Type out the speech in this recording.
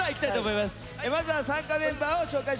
まずは参加メンバーを紹介します。